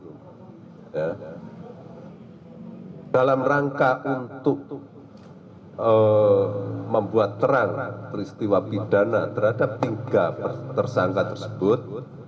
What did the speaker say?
dalam rangka untuk membuat terang peristiwa pidana terhadap tiga tersangka tersebut